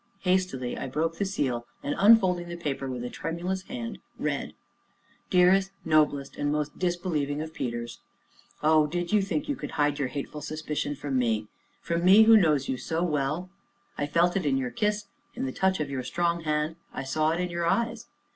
Hastily I broke the seal, and, unfolding the paper with tremulous hands read: "DEAREST, NOBLEST, AND MOST DISBELIEVING OF PETERS, Oh, did you think you could hide your hateful suspicion from me from me who know you so well? I felt it in your kiss, in the touch of your strong hand, I saw it in your eyes.